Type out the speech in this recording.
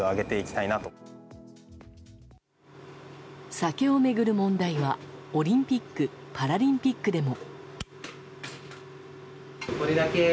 酒を巡る問題はオリンピック・パラリンピックでも。